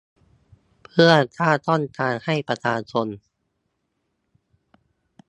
เพื่อสร้างช่องทางให้ประชาชน